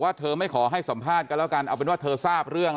เธอไม่ขอให้สัมภาษณ์กันแล้วกันเอาเป็นว่าเธอทราบเรื่อง